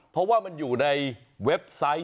เพราะว่ามันอยู่ในเว็บไซต์